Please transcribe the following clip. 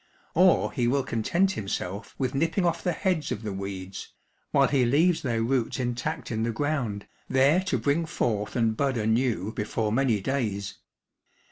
Or he will content himself with nipping off the heads of the weeds, while he leaves their roots intact in the ground, there to bring forth and bud anew before many days.